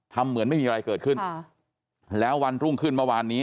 เหมือนไม่มีอะไรเกิดขึ้นค่ะแล้ววันรุ่งขึ้นเมื่อวานนี้